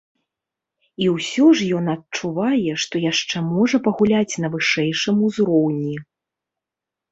І ўсё ж ён адчувае, што яшчэ можа пагуляць на вышэйшым узроўні.